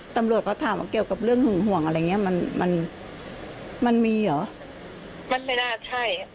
ตำรวจก็ถามว่าเกี่ยวกับเรื่องหึงห่วงอะไรอย่างเงี้ยมันมันมีเหรอมันไม่น่าใช่